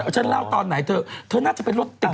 ฉันเล่าตอนไหนเธอน่าจะไปรถกลับ